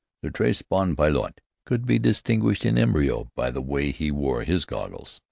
The très bon pilote could be distinguished, in embryo, by the way he wore his goggles.